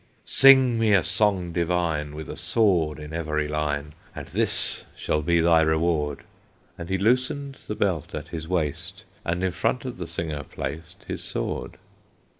"Sing me a song divine, With a sword in every line, And this shall be thy reward." And he loosened the belt at his waist, And in front of the singer placed His sword.